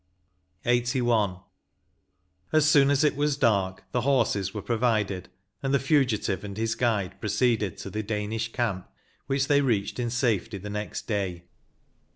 M 162 LXXXI. As soon as it was dark, the horses were provided, and the fugitive and his guide proceeded to the Danish camp, which they reached in safety the next day.